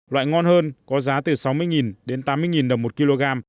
loại ngon hơn có giá từ sáu mươi đến tám mươi đồng một kg